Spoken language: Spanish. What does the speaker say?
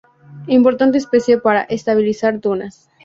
Importante especie para estabilizar dunas.